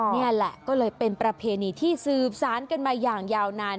นี่แหละก็เลยเป็นประเพณีที่สืบสารกันมาอย่างยาวนาน